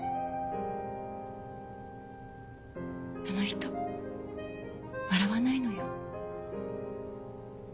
あの人笑わないのよ。